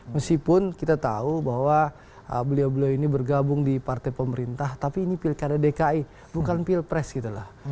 meskipun kita tahu bahwa beliau beliau ini bergabung di partai pemerintah tapi ini pilkada dki bukan pilpres gitu loh